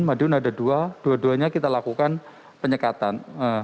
di madiun ada dua dua duanya kita lakukan penyekatan